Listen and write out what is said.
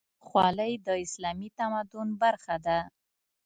خولۍ د اسلامي تمدن برخه ده.